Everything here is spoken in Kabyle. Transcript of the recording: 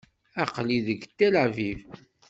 Aql-i deg Tel Aviv.